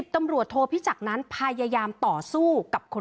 ๑๐ตำรวจโทรพิจักษ์นั้นประยายามต่อสู้